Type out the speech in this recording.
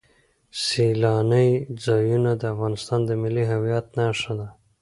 سیلانی ځایونه د افغانستان د ملي هویت نښه ده.